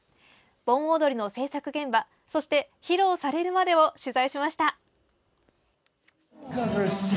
盆踊りの制作現場そして、披露されるまでを取材しました。